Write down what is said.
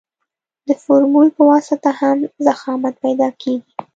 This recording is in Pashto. د فورمول په واسطه هم ضخامت پیدا کیږي